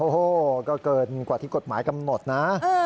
โอ้โหก็เกินกว่าที่กฎหมายกำหนดนะ